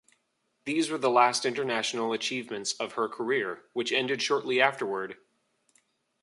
These were the last international achievements of her career, which ended shortly afterward.